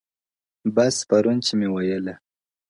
• بس پرون چي می ویله ,